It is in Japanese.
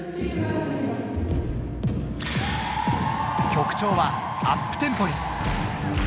曲調はアップテンポに